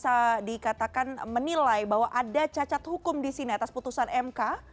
dan kemudian tadi mas kurnia juga sempat menilai bahwa ada cacat hukum di sini atas putusan mk